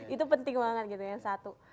itu penting banget gitu yang satu